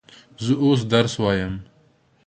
زه اوس درس وایم.